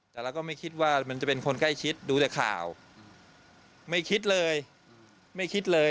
แต่เราก็ไม่คิดว่ามันจะเป็นคนใกล้ชิดดูแต่ข่าวไม่คิดเลยไม่คิดเลย